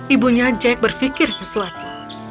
ibunya jack berpikir sesuatu